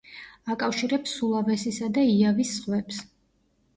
აკავშირებს სულავესისა და იავის ზღვებს.